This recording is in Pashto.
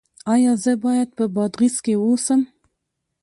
ایا زه باید په بادغیس کې اوسم؟